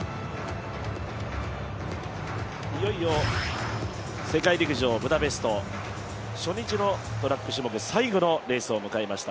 いよいよ世界陸上ブダペスト初日のトラック種目、最後のレースを迎えました。